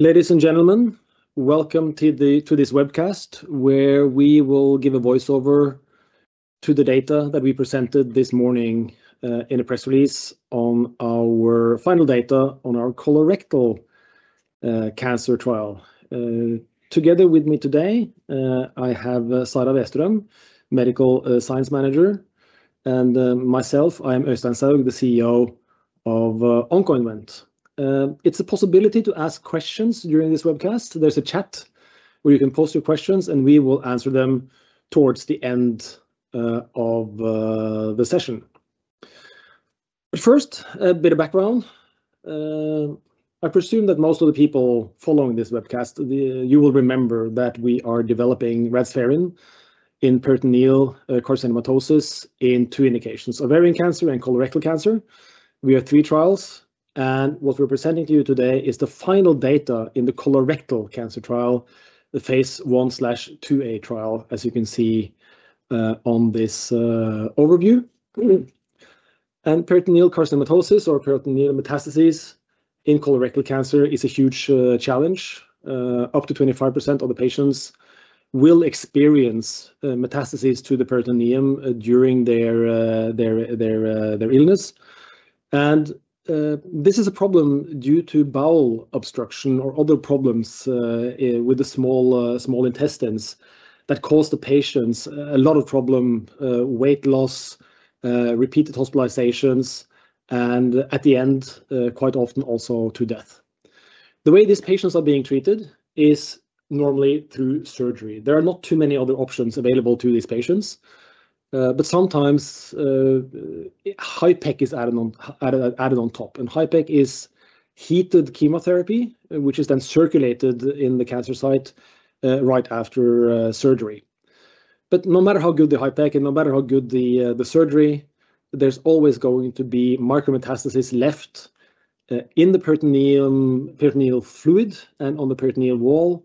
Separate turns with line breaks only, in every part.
Ladies and gentlemen, welcome to this webcast where we will give a voiceover to the data that we presented this morning in a press release on our final data on our colorectal cancer trial. Together with me today, I have Sara Westrøm, Medical Science Manager, and myself, I am Øystein Soug, the CEO of Oncoinvent. It's a possibility to ask questions during this webcast. There's a chat where you can post your questions, and we will answer them towards the end of the session. First, a bit of background. I presume that most of the people following this webcast, you will remember that we are developing RadSpay in peritoneal carcinomatosis in two indications: ovarian cancer and colorectal cancer. We have three trials, and what we're presenting to you today is the final data in the colorectal cancer trial, the phase I/II-A trial, as you can see on this overview. Peritoneal carcinomatosis, or peritoneal metastases in colorectal cancer, is a huge challenge. Up to 25% of the patients will experience metastases to the peritoneum during their illness. This is a problem due to bowel obstruction or other problems with the small intestines that cause the patients a lot of problems: weight loss, repeated hospitalizations, and at the end, quite often also to death. The way these patients are being treated is normally through surgery. There are not too many other options available to these patients, but sometimes HIPEC is added on top. HIPEC is heated chemotherapy, which is then circulated in the cancer site right after surgery. No matter how good the HIPEC and no matter how good the surgery, there's always going to be micrometastases left in the peritoneal fluid and on the peritoneal wall.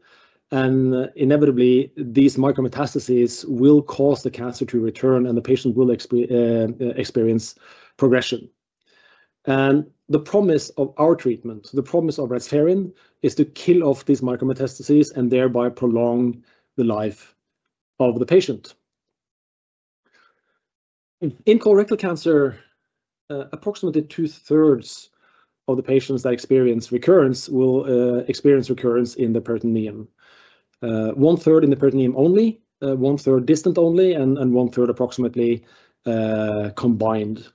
Inevitably, these micrometastases will cause the cancer to return, and the patient will experience progression. The promise of our treatment, the promise of RadSpay, is to kill off these micrometastases and thereby prolong the life of the patient. In colorectal cancer, approximately two-thirds of the patients that experience recurrence will experience recurrence in the peritoneum: one-third in the peritoneum only, one-third distant only, and one-third approximately combined.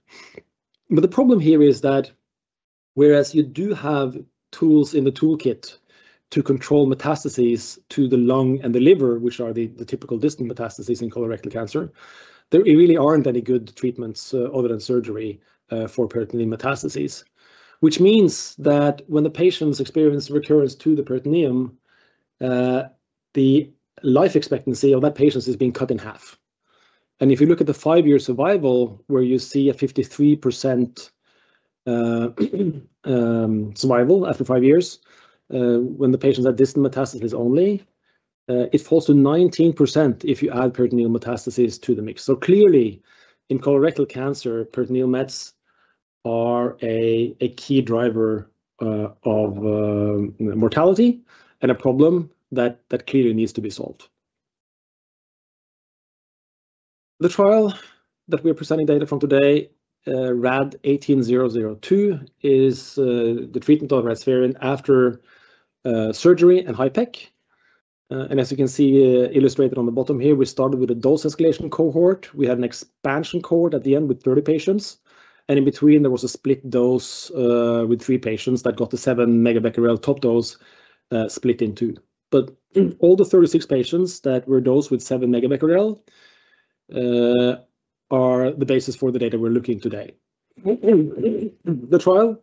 The problem here is that whereas you do have tools in the toolkit to control metastases to the lung and the liver, which are the typical distant metastases in colorectal cancer, there really aren't any good treatments other than surgery for peritoneal metastases, which means that when the patients experience recurrence to the peritoneum, the life expectancy of that patient is being cut in half. If you look at the five-year survival, where you see a 53% survival after five years when the patients are distant metastases only, it falls to 19% if you add peritoneal metastases to the mix. Clearly, in colorectal cancer, peritoneal mets are a key driver of mortality and a problem that clearly needs to be solved. The trial that we are presenting data from today, RAD-18002, is the treatment of RadSpay after surgery and HIPEC. As you can see illustrated on the bottom here, we started with a dose escalation cohort. We had an expansion cohort at the end with 30 patients. In between, there was a split dose with three patients that got the 7-megabecquerel top dose split in two. All the 36 patients that were dosed with 7-megabecquerel are the basis for the data we are looking at today. The trial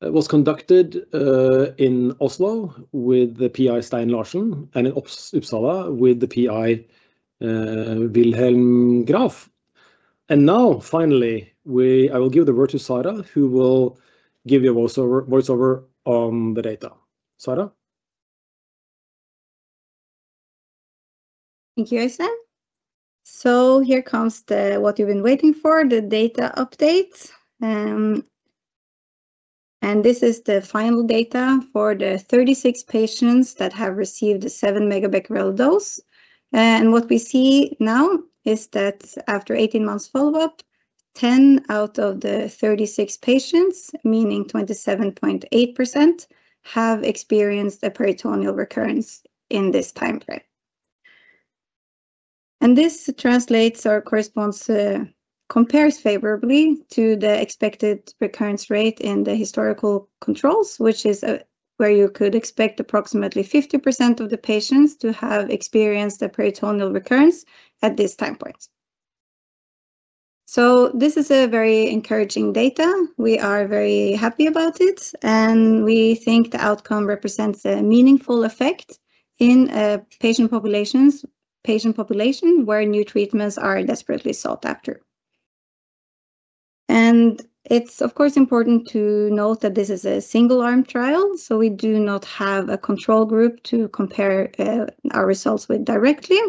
was conducted in Oslo with the PI, Stein Gunnar Larsen, and in Uppsala with the PI, Wilhelm Graf. Now, finally, I will give the word to Sara, who will give you a voiceover on the data. Sara.
Thank you, Øystein. Here comes what you've been waiting for, the data update. This is the final data for the 36 patients that have received the 7-megabecquerel dose. What we see now is that after 18 months follow-up, 10 out of the 36 patients, meaning 27.8%, have experienced a peritoneal recurrence in this time frame. This translates or corresponds, compares favorably to the expected recurrence rate in the historical controls, which is where you could expect approximately 50% of the patients to have experienced a peritoneal recurrence at this time point. This is very encouraging data. We are very happy about it, and we think the outcome represents a meaningful effect in patient populations, patient population where new treatments are desperately sought after. It is, of course, important to note that this is a single-arm trial, so we do not have a control group to compare our results with directly.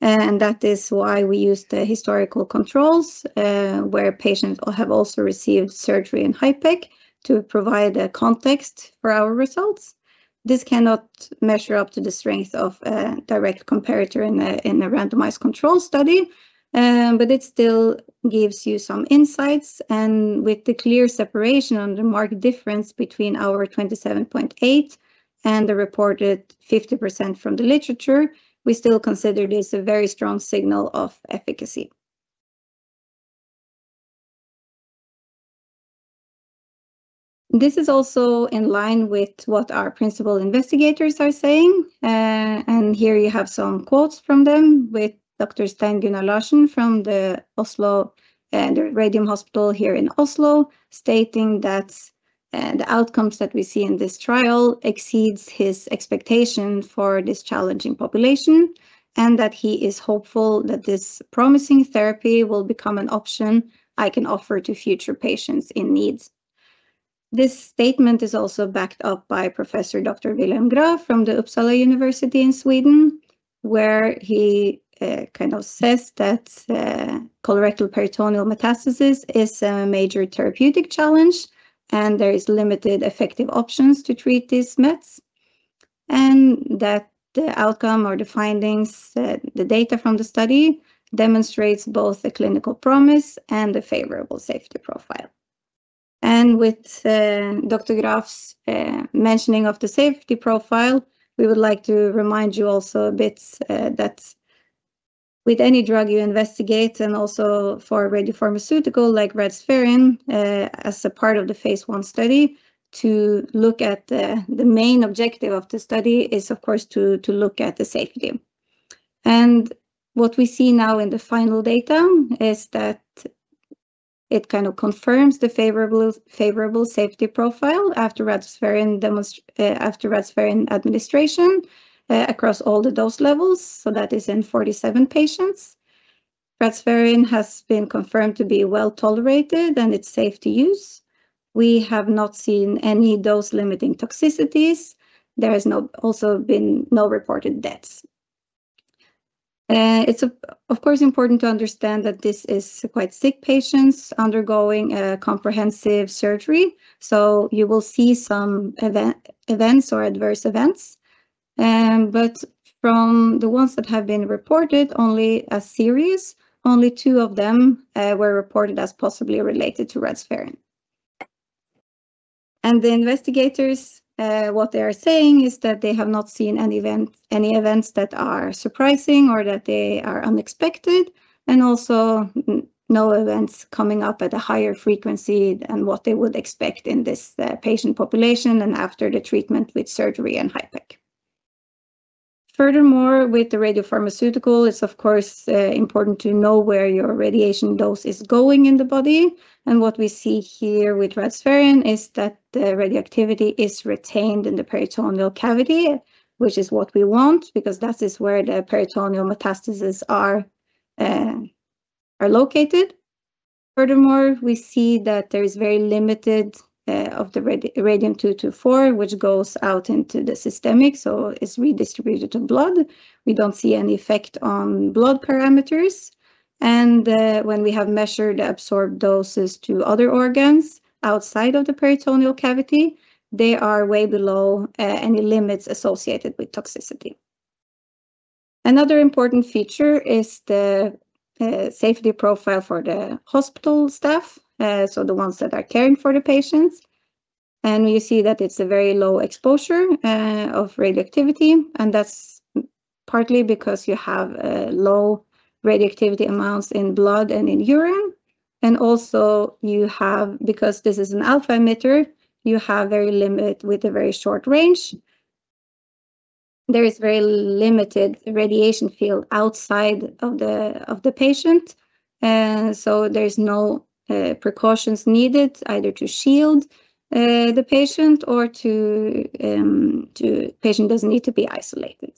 That is why we use the historical controls where patients have also received surgery and HIPEC to provide a context for our results. This cannot measure up to the strength of a direct comparator in a randomized control study, but it still gives you some insights. With the clear separation and the marked difference between our 27.8% and the reported 50% from the literature, we still consider this a very strong signal of efficacy. This is also in line with what our principal investigators are saying. Here you have some quotes from them with Dr. Stein Gunnar Larsen from the Oslo Radium Hospital here in Oslo, stating that the outcomes that we see in this trial exceed his expectation for this challenging population and that he is hopeful that this promising therapy will become an option I can offer to future patients in need. This statement is also backed up by Professor Dr. Wilhelm Graf from the Uppsala University in Sweden, where he kind of says that colorectal peritoneal metastasis is a major therapeutic challenge and there are limited effective options to treat these mets. That the outcome or the findings, the data from the study demonstrates both a clinical promise and a favorable safety profile. And with Dr. Graf's mentioning of the safety profile, we would like to remind you also a bit that with any drug you investigate and also for radiopharmaceutical like RadSpay as a part of the phase I study, to look at the main objective of the study is, of course, to look at the safety. What we see now in the final data is that it kind of confirms the favorable safety profile after RadSpay administration across all the dose levels. That is in 47 patients. RadSpay has been confirmed to be well tolerated and it's safe to use. We have not seen any dose-limiting toxicities. There has also been no reported deaths. It's, of course, important to understand that this is quite sick patients undergoing a comprehensive surgery. You will see some events or adverse events. From the ones that have been reported, only a series, only two of them were reported as possibly related to RadSpay. The investigators, what they are saying is that they have not seen any events that are surprising or that they are unexpected, and also no events coming up at a higher frequency than what they would expect in this patient population and after the treatment with surgery and HIPEC. Furthermore, with the radiopharmaceutical, it's, of course, important to know where your radiation dose is going in the body. What we see here with RadSpay is that the radioactivity is retained in the peritoneal cavity, which is what we want because that is where the peritoneal metastases are located. Furthermore, we see that there is very limited of the radium-224, which goes out into the systemic, so it's redistributed to blood. We don't see any effect on blood parameters. When we have measured the absorbed doses to other organs outside of the peritoneal cavity, they are way below any limits associated with toxicity. Another important feature is the safety profile for the hospital staff, the ones that are caring for the patients. You see that it's a very low exposure of radioactivity. That's partly because you have low radioactivity amounts in blood and in urine. Also, because this is an alpha emitter, you have very limited with a very short range. There is very limited radiation field outside of the patient. There are no precautions needed either to shield the patient or the patient doesn't need to be isolated.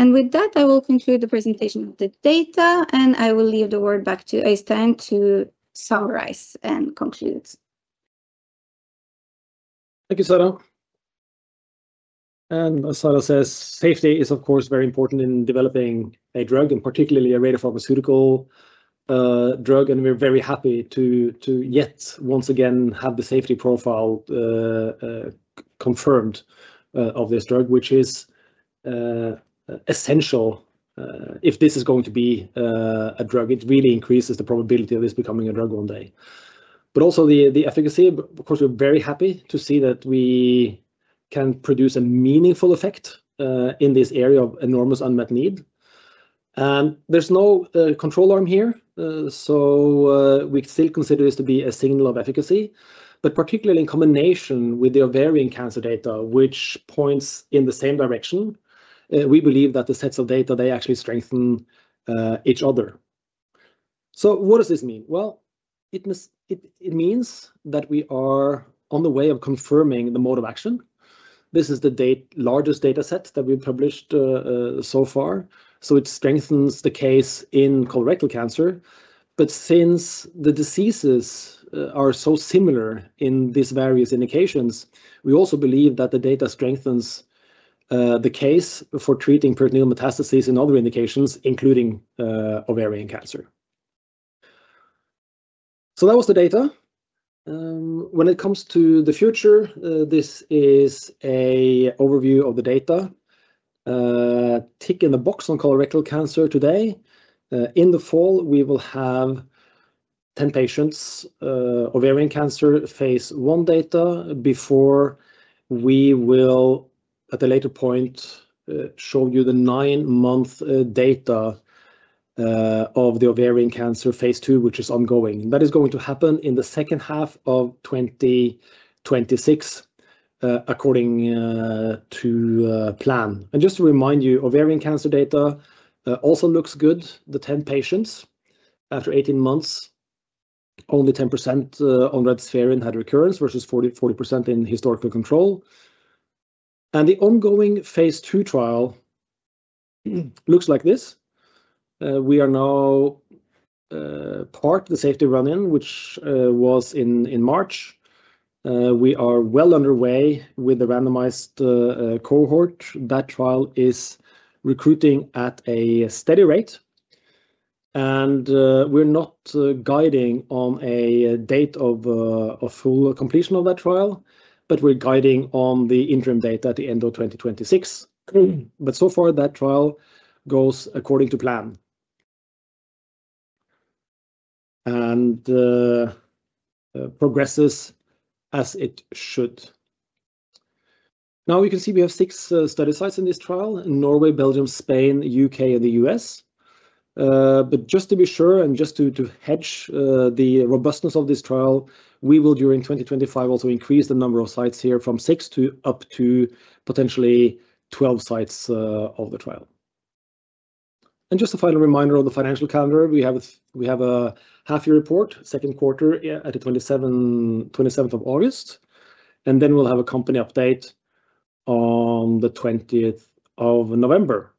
With that, I will conclude the presentation of the data, and I will leave the word back to Øystein to summarize and conclude.
Thank you, Sara. As Sara says, safety is, of course, very important in developing a drug and particularly a radiopharmaceutical drug. We are very happy to yet once again have the safety profile confirmed of this drug, which is essential if this is going to be a drug. It really increases the probability of this becoming a drug one day. Also, the efficacy, of course, we are very happy to see that we can produce a meaningful effect in this area of enormous unmet need. There is no control arm here, so we still consider this to be a signal of efficacy. Particularly in combination with the ovarian cancer data, which points in the same direction, we believe that the sets of data, they actually strengthen each other. What does this mean? It means that we are on the way of confirming the mode of action. This is the largest data set that we've published so far. It strengthens the case in colorectal cancer. Since the diseases are so similar in these various indications, we also believe that the data strengthens the case for treating peritoneal metastases in other indications, including ovarian cancer. That was the data. When it comes to the future, this is an overview of the data. Tick in the box on colorectal cancer today. In the fall, we will have 10 patients' ovarian cancer phase I data before we will, at a later point, show you the nine-month data of the ovarian cancer phase II, which is ongoing. That is going to happen in the second half of 2026 according to plan. Just to remind you, ovarian cancer data also looks good. The 10 patients after 18 months, only 10% on RadSpay had recurrence versus 40% in historical control. The ongoing phase II trial looks like this. We are now part of the safety run-in, which was in March. We are well underway with the randomized cohort. That trial is recruiting at a steady rate. We are not guiding on a date of full completion of that trial, but we are guiding on the interim data at the end of 2026. So far, that trial goes according to plan and progresses as it should. Now, you can see we have six study sites in this trial: Norway, Belgium, Spain, the U.K., and the U.S. Just to be sure and just to hedge the robustness of this trial, we will, during 2025, also increase the number of sites here from six to up to potentially 12 sites of the trial. Just a final reminder of the financial calendar. We have a half-year report, second quarter at the 27th of August. Then we will have a company update on the 20th of November.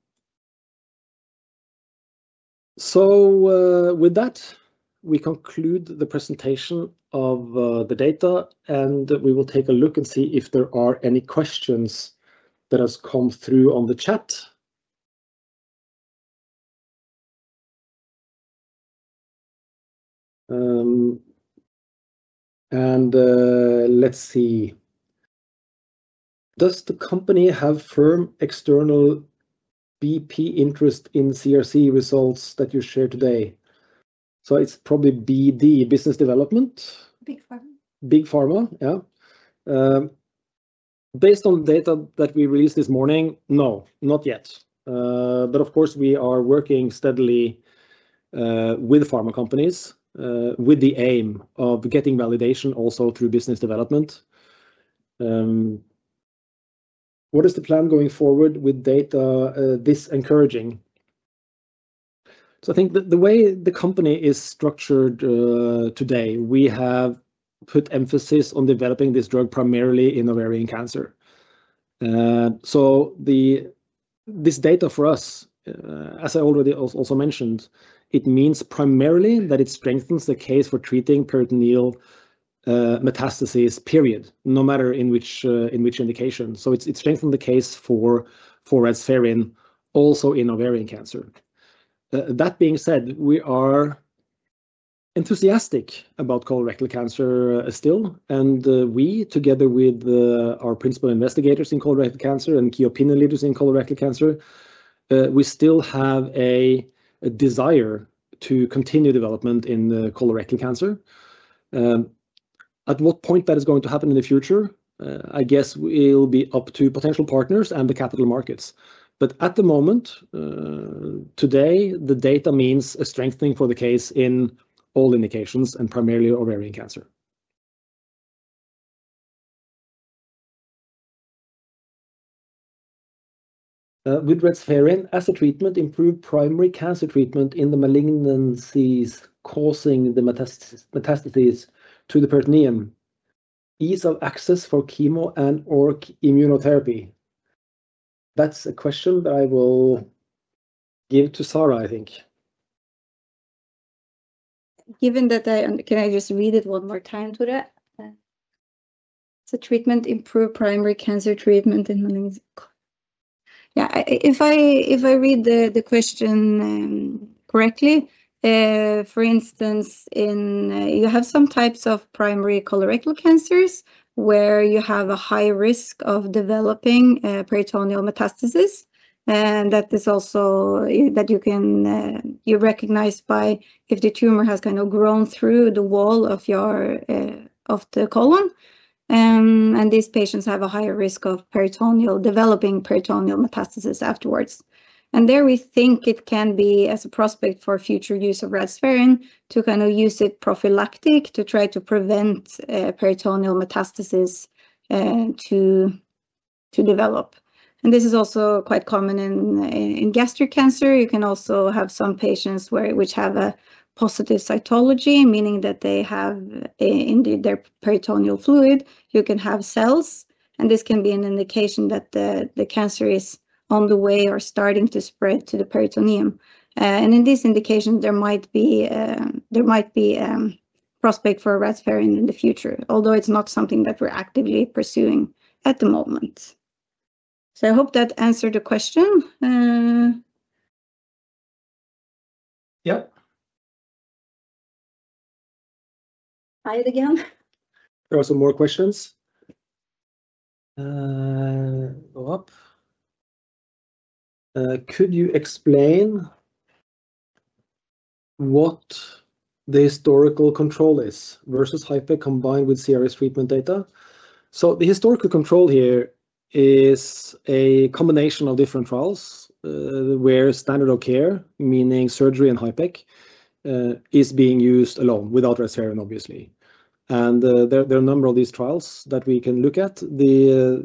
With that, we conclude the presentation of the data, and we will take a look and see if there are any questions that have come through on the chat. Let's see. Does the company have firm external BP interest in CRC results that you shared today? It is probably BD, business development.
Big Pharma.
Big Pharma, yeah. Based on the data that we released this morning, no, not yet. Of course, we are working steadily with pharma companies with the aim of getting validation also through business development. What is the plan going forward with data this encouraging? I think the way the company is structured today, we have put emphasis on developing this drug primarily in ovarian cancer. This data for us, as I already also mentioned, it means primarily that it strengthens the case for treating peritoneal metastases, period, no matter in which indication. It strengthens the case for RadSpay also in ovarian cancer. That being said, we are enthusiastic about colorectal cancer still. We, together with our principal investigators in colorectal cancer and key opinion leaders in colorectal cancer, still have a desire to continue development in colorectal cancer. At what point that is going to happen in the future, I guess it'll be up to potential partners and the capital markets. At the moment, today, the data means a strengthening for the case in all indications and primarily ovarian cancer. With RadSpay as a treatment, improved primary cancer treatment in the malignancies causing the metastases to the peritoneum, ease of access for chemo and/or immunotherapy. That's a question that I will give to Sara, I think.
Given that, can I just read it one more time, [to that]? Treatment improved primary cancer treatment in malignancy. Yeah, if I read the question correctly, for instance, you have some types of primary colorectal cancers where you have a high risk of developing peritoneal metastases. That is also something you can recognize if the tumor has kind of grown through the wall of the colon. These patients have a higher risk of developing peritoneal metastases afterwards. There we think it can be as a prospect for future use of RadSpay to kind of use it prophylactically to try to prevent peritoneal metastases to develop. This is also quite common in gastric cancer. You can also have some patients which have a positive cytology, meaning that they have indeed their peritoneal fluid. You can have cells, and this can be an indication that the cancer is on the way or starting to spread to the peritoneum. In this indication, there might be a prospect for RadSpay in the future, although it's not something that we're actively pursuing at the moment. I hope that answered the question.
Yep.
Say it again.
There are some more questions. Go up. Could you explain what the historical control is versus HIPEC combined with CRS treatment data? The historical control here is a combination of different trials where standard of care, meaning surgery and HIPEC, is being used alone without RadSpay, obviously. There are a number of these trials that we can look at. The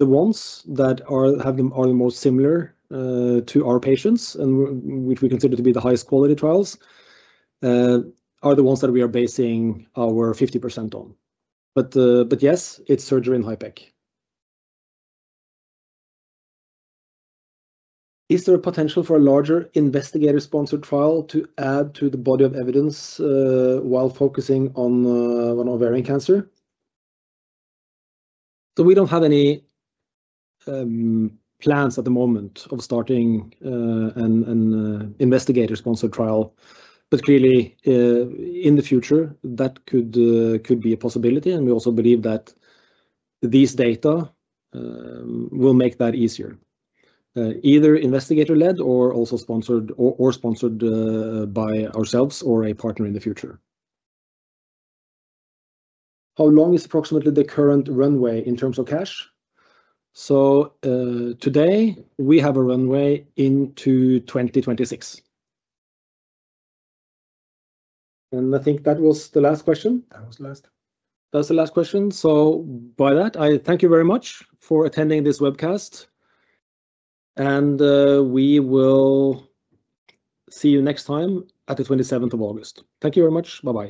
ones that are the most similar to our patients, which we consider to be the highest quality trials, are the ones that we are basing our 50% on. Yes, it is surgery and HIPEC. Is there a potential for a larger investigator-sponsored trial to add to the body of evidence while focusing on ovarian cancer? We do not have any plans at the moment of starting an investigator-sponsored trial. Clearly, in the future, that could be a possibility. We also believe that these data will make that easier, either investigator-led or sponsored by ourselves or a partner in the future. How long is approximately the current runway in terms of cash? Today, we have a runway into 2026. I think that was the last question. That was the last. That was the last question. By that, I thank you very much for attending this webcast. We will see you next time at the 27th of August. Thank you very much. Bye-bye.